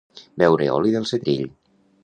Beure oli del setrill.